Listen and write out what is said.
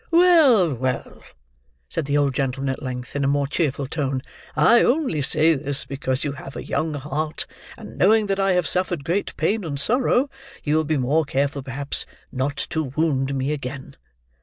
"Well, well!" said the old gentleman at length, in a more cheerful tone, "I only say this, because you have a young heart; and knowing that I have suffered great pain and sorrow, you will be more careful, perhaps, not to wound me again.